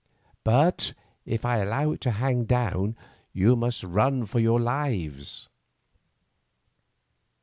But if I allow it to hang down you must run for your lives."